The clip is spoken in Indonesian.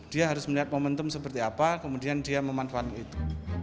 dia harus melihat momentum seperti apa kemudian dia memanfaatkan itu